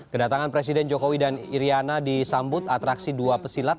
kedatangan presiden jokowi dan iryana disambut atraksi dua pesilat